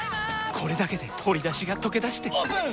これだけで鶏だしがとけだしてオープン！